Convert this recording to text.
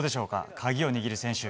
鍵を握る選手。